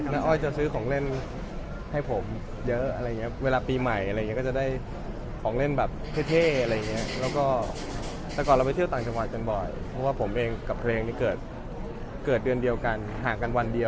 น้าอ้อยจะซื้อของเล่นให้ผมเยอะอะไรอย่างเงี้ยเวลาปีใหม่อะไรอย่างเงี้ยก็จะได้ของเล่นแบบเท่อะไรอย่างเงี้ย